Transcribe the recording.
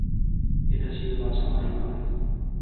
এটা ছিল বাঁচা-মরার লড়াই।